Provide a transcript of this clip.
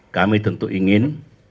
kami tentu ingin